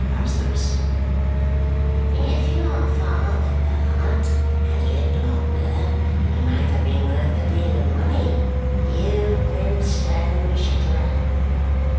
As thus: "If your father, Bart, had lived longer, he might have been worth a deal of money you brimstone chatterer!